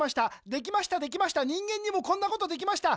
できましたできました人間にもこんなことできました。